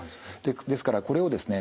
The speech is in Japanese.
ですからこれをですね